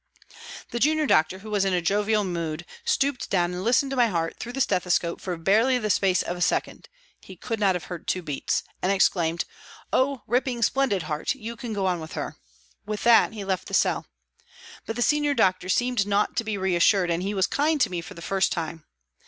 The junior doctor, who was in a jovial mood, stooped down and listened to my heart through the stethoscope for barely the space of a second he could not have heard two beats and exclaimed, " Oh, ripping, splendid heart ! You can go on with her "; with that he left the cell. But the senior doctor seemed not to be reassured and he was kind to me for the first time.